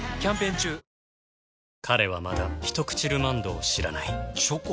彼はまだ「ひとくちルマンド」を知らないチョコ？